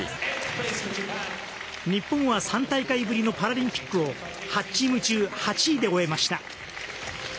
日本は３大会ぶりのパラリンピックを８チーム中８位で終えました。